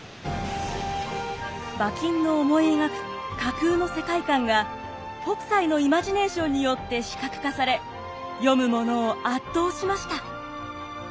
馬琴の思い描く架空の世界観が北斎のイマジネーションによって視覚化され読む者を圧倒しました。